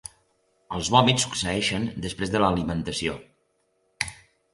Els vòmits succeeixen després de l'alimentació.